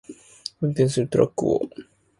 運転するトラックを